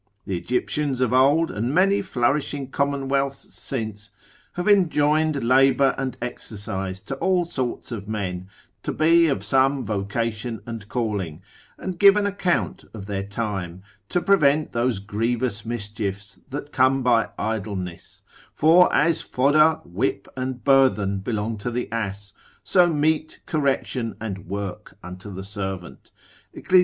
The Egyptians of old, and many flourishing commonwealths since, have enjoined labour and exercise to all sorts of men, to be of some vocation and calling, and give an account of their time, to prevent those grievous mischiefs that come by idleness: for as fodder, whip, and burthen belong to the ass: so meat, correction, and work unto the servant, Ecclus.